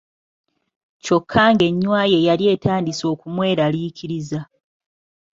kyokka ng'ennywa ye yali etandise okumwelariikiriza.